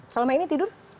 selama ini tidur